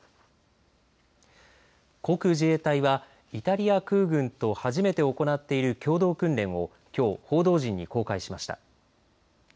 航空自衛隊はイタリア空軍と初めて行っている共同訓練をきょう報道陣に公開しました。